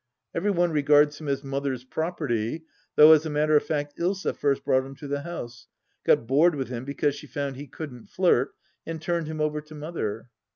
Every one regards him as Mother's property, though as a matter of fact Ilsa first brought him to the house, got bored with him because she found he couldn't flirt, and turned him over to Mother.